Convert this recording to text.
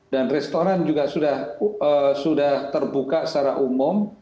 dan restoran juga sudah terbuka secara umum